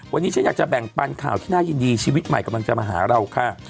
วันนี้ฉันอยากจะแบ่งปันข่าวที่น่ายินดีชีวิตใหม่กำลังจะมาหาเราค่ะ